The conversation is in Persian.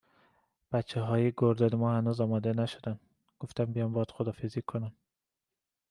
بچههای گردان ما هنوز آماده نشدن، گفتم بیام باهات خداحافظی کنم